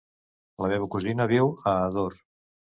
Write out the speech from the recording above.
La meva cosina viu a Ador.